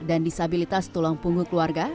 dan disabilitas tulang punggung keluarga